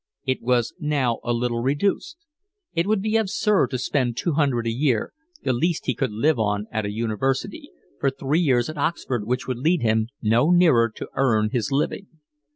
It was now a little reduced. It would be absurd to spend two hundred a year, the least he could live on at a university, for three years at Oxford which would lead him no nearer to earning his living.